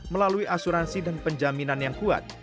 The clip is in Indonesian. melalui asuransi dan penjaminan yang kuat